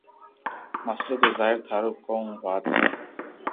مسلو تو ھڻاو ٿارو ڪو ڪاو وات ھي